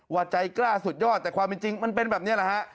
ว่าใจกล้าสุดยอดแต่ความเป็นจริงมันเป็นแบบนี้แหละฮะ